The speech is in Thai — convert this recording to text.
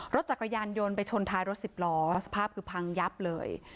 รถจักรยานยนต์ไปชนท้ายรถสิบล้อสภาพคือพังยับเลย